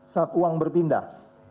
saat uang berpindah